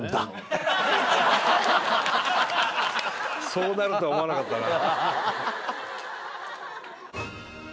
そうなるとは思わなかったな。